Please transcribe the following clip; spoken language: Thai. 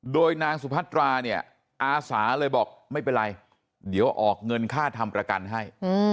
โดยนางสุพัตราเนี่ยอาสาเลยบอกไม่เป็นไรเดี๋ยวออกเงินค่าทำประกันให้